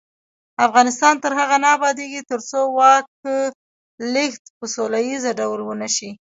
افغانستان تر هغو نه ابادیږي، ترڅو د واک لیږد په سوله ییز ډول ونشي.